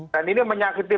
dan ini menyakiti